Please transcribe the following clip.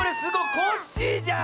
コッシーじゃん！